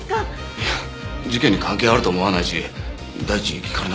いや事件に関係あると思わないし第一聞かれなかった。